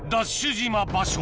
島場所